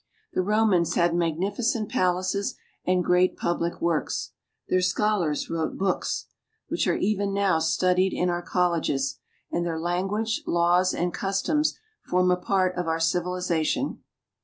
The Romans had magnificent palaces and great public works. Their scholars wrote books, which are even now studied in our colleges; and their language, laws, and customs form a part of our civilization.